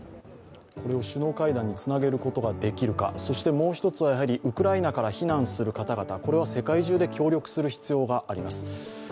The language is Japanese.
これを首脳会談につなげることができるかそしてもう一つは、ウクライナから避難する方々、これは世界中で協力する必要があります。